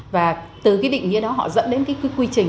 và từ định nghĩa đó họ dẫn đến quy trình